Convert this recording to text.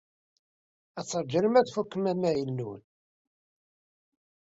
Ad teṛju arma tfukem amahil-nwen.